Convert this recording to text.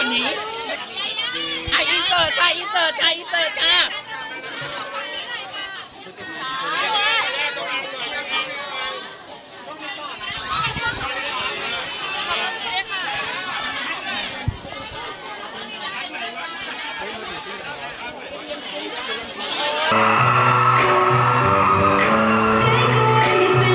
เราจะเอาอย่างไรกันต่อไปดี